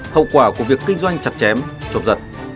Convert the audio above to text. hậu quả của việc kinh doanh chặt chém trục giật